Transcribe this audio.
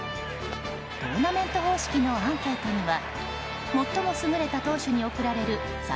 トーナメント方式のアンケートには最も優れた投手に贈られるサイ